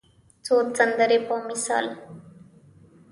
څو سندرې په مثال